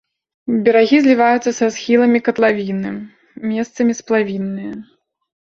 Берагі зліваюцца са схіламі катлавіны, месцамі сплавінныя.